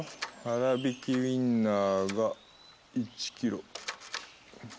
粗びきウインナーが１キロ。